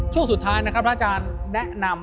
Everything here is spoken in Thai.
ช่วงสุดท้ายนะครับพระอาจารย์แนะนำ